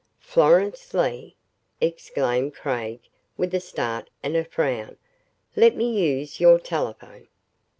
"Florence Leigh!" exclaimed Craig with a start and a frown. "Let me use your telephone."